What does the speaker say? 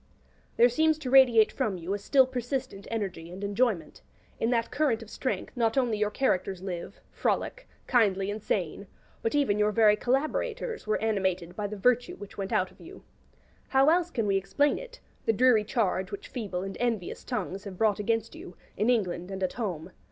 There seems to radiate from you a still persistent energy and enjoyment; in that current of strength not only your characters live, frolic, kindly, and sane, but even your very collaborators were animated by the virtue which went out of you. How else can we explain it, the dreary charge which feeble and envious tongues have brought against you, in England and at home?